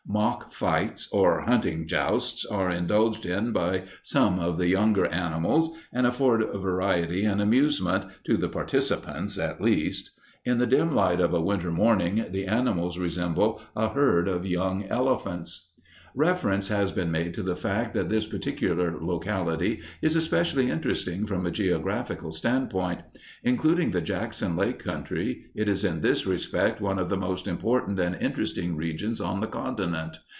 Mock fights or hunting jousts are indulged in by some of the younger animals and afford variety and amusement, to the participants at least. In the dim light of a winter morning the animals resemble a herd of young elephants. Reference has been made to the fact that this particular locality is especially interesting from a geographical standpoint. Including the Jackson Lake country it is in this respect one of the most important and interesting regions on the continent.